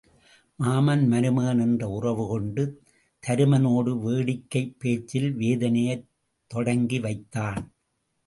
மாமன் மருமகன் என்ற உறவு கொண்டு தருமனோடு வேடிக்கைப் பேச்சில் வேதனையைத் தொடங்கி வைத்தான்.